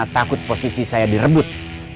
takut posisi saya direbut